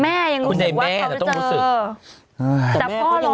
แม่ยังรู้สึกว่าเขาจะเจอ